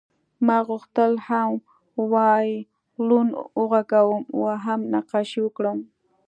ما غوښتل هم وایلون وغږوم او هم نقاشي وکړم